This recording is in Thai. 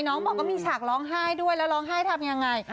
น้องบอกว่ามีฉากร้องไห้ด้วยแล้วร้องไห้ทำยังไง